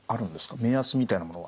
目安みたいなものは。